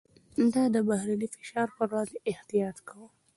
ده د بهرني فشار پر وړاندې احتياط کاوه.